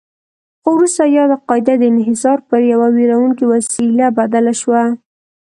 خو وروسته یاده قاعده د انحصار پر یوه ویروونکې وسیله بدله شوه.